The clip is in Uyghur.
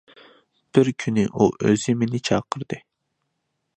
بىر كۈنى ئۇ ئۆزى مېنى چاقىردى.